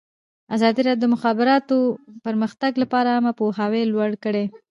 ازادي راډیو د د مخابراتو پرمختګ لپاره عامه پوهاوي لوړ کړی.